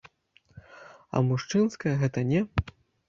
А мужчынская гэта не?